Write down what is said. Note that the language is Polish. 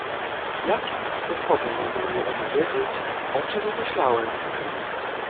"Jakim sposobem mógł on wiedzieć, o czem myślałem?"